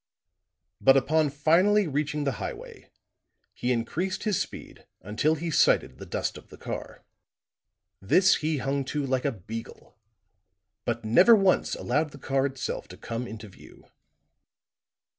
But upon finally reaching the highway, he increased his speed until he sighted the dust of the car; this he hung to like a beagle, but never once allowed the car itself to come into view.